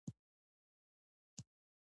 واده وکړه که نه نه دې بښم.